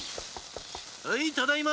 はいただいま！